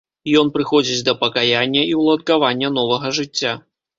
Ён прыходзіць да пакаяння і ўладкавання новага жыцця.